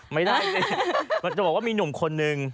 ไม่ได้มันจะบอกว่ามีหนุ่มคนนึง